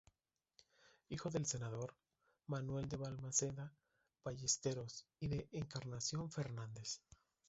Hijo del senador Manuel de Balmaceda Ballesteros y de Encarnación Fernández.